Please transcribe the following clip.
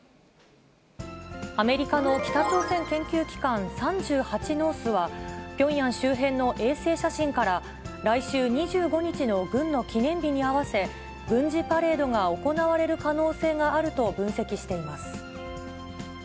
アメリカの北朝鮮研究機関、３８ノースは、ピョンヤン周辺の衛星写真から、来週２５日の軍の記念日に合わせ、軍事パレードが行われる可能性があると分析しています。